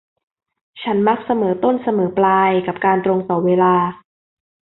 ฉันมักเสมอต้นเสมอปลายกับการตรงต่อเวลา